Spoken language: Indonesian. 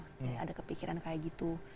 saya ada kepikiran kayak gitu